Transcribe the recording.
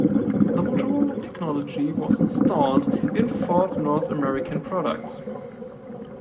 The Motorola technology was installed in Ford North American products.